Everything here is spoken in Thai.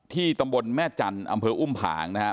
ที่ตำบลแม่จันทร์อำเภออุ้มผางนะฮะ